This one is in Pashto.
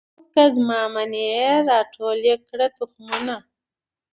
اوس که زما منۍ را ټول یې کړی تخمونه